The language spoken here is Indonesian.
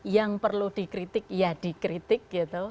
yang perlu dikritik ya dikritik gitu